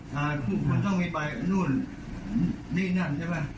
เขาบอกไม่ได้คุณต้องมีใบนู่นนี่นั่นมีใบเชื่อใช่ไหม